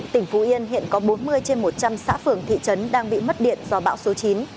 tỉnh phú yên hiện có bốn mươi trên một trăm linh xã phường thị trấn đang bị mất điện do bão số chín